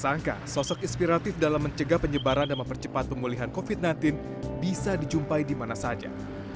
sangka sosok inspiratif dalam mencegah penyebaran dan mempercepat pemulihan covid sembilan belas bisa dijumpai di mana saja